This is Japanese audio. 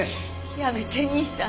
やめて兄さん。